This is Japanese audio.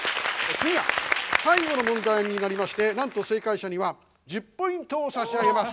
次が最後の問題になりましてなんと正解者には１０ポイントを差し上げます。